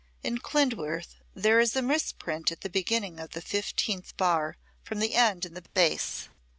In Klindworth there is a misprint at the beginning of the fifteenth bar from the end in the bass.